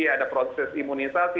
ada proses imunisasi